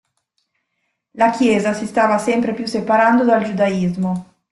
La chiesa si stava sempre più separando dal giudaismo.